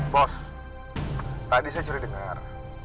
bos tadi saya curi dengar